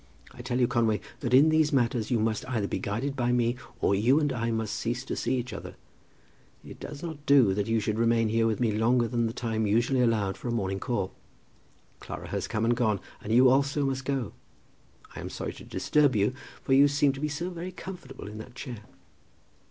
I tell you, Conway, that in these matters you must either be guided by me, or you and I must cease to see each other. It does not do that you should remain here with me longer than the time usually allowed for a morning call. Clara has come and gone, and you also must go. I am sorry to disturb you, for you seem to be so very comfortable in that chair."